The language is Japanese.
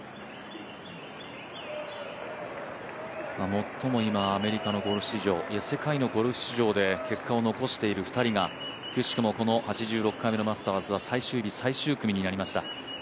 最も今、アメリカのゴルフ史上、いや世界のゴルフ史上で結果を出している２人がくしくも８６回目のマスターズは最終日最終組になりました。